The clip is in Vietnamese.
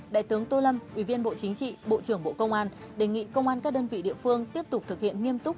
đại tướng tô lâm ủy viên bộ chính trị bộ trưởng bộ công an đề nghị công an các đơn vị địa phương tiếp tục thực hiện nghiêm túc